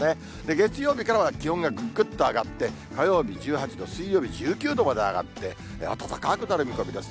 月曜日からは気温がぐっと上がって、火曜日１８度、水曜日１９度まで上がって、暖かくなる見込みです。